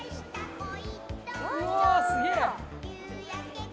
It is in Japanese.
うわすげぇ！